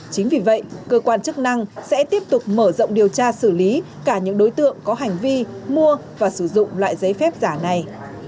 chính vì vậy cơ quan chức năng sẽ tiếp tục mở rộng điều tra xử lý cả những đối tượng có hành vi mua và sử dụng loại giấy phép giả này